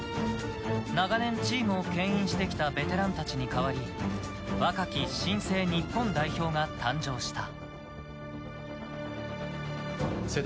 長年、チームをけん引してきたベテランたちに代わり若き新生・日本代表が誕生した。